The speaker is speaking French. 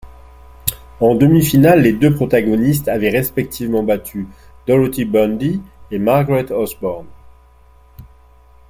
En demi-finale, les deux protagonistes avaient respectivement battu Dorothy Bundy et Margaret Osborne.